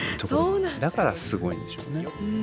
だからすごいんでしょうね。